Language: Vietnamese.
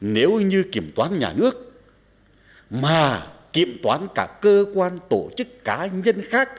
nếu như kiểm toán nhà nước mà kiểm toán cả cơ quan tổ chức cá nhân khác